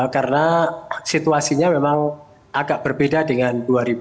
karena situasinya memang agak berbeda dengan dua ribu sembilan belas